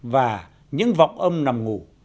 và những vọng âm nằm ngủ